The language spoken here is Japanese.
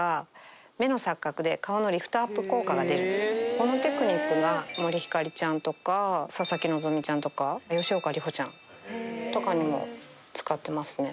このテクニックは森星ちゃんとか佐々木希ちゃんとか吉岡里帆ちゃんとかにも使ってますね